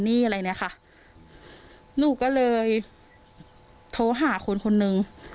นี่อะไรเนี้ยค่ะหนูก็เลยโทรหาคนคนนึง